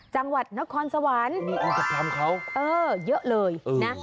จังหวัดนครสวรรค์เยอะเลยนะ